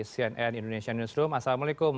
cnn indonesia newsroom assalamualaikum